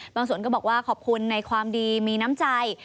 สวนก็บอกว่าขอบคุณในความดีมีน้ำใจ